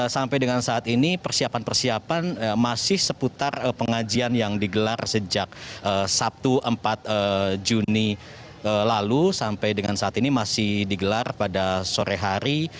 sampai dengan saat ini persiapan persiapan masih seputar pengajian yang digelar sejak sabtu empat juni lalu sampai dengan saat ini masih digelar pada sore hari